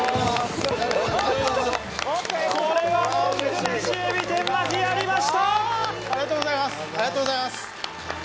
これは文句なしえび天巻やりました！